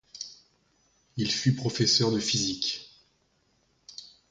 Il fut professeur de physique.